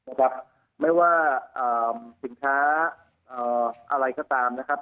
นะครับไม่ว่าสินค้าอะไรก็ตามนะครับ